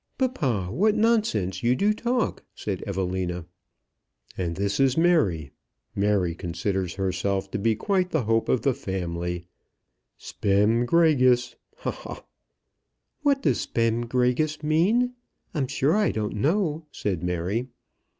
"Papa, what nonsense you do talk!" said Evelina. "And this is Mary. Mary considers herself to be quite the hope of the family; spem gregis. Ha, ha!" "What does spem gregis mean? I'm sure I don't know," said Mary.